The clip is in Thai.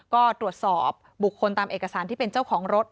ก็ตรวจสอบบุคคลตามเอกสารที่เป็นเจ้าของรถ